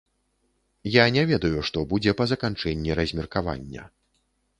Я не ведаю, што будзе па заканчэнні размеркавання.